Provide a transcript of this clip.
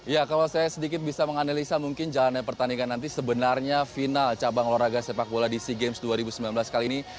ya kalau saya sedikit bisa menganalisa mungkin jalannya pertandingan nanti sebenarnya final cabang olahraga sepak bola di sea games dua ribu sembilan belas kali ini